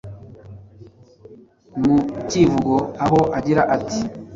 mu cy'ivugo aho agira ati""